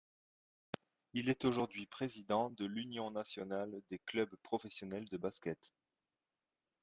Il est aujourd'hui président de l'Union nationale des clubs professionnels de basket.